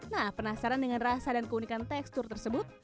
nah penasaran dengan rasa dan keunikan tekstur tersebut